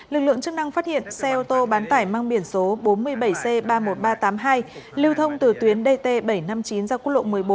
lực lượng chức năng phát hiện xe ô tô bán tải mang biển số bốn mươi bảy c ba mươi một nghìn ba trăm tám mươi hai lưu thông từ tuyến dt bảy trăm năm mươi chín ra quốc lộ một mươi bốn